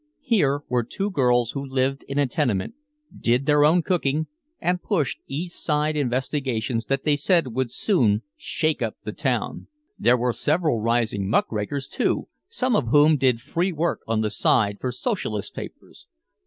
Here were two girls who lived in a tenement, did their own cooking and pushed East Side investigations that they said would soon "shake up the town." There were several rising muckrakers, too, some of whom did free work on the side for socialist papers.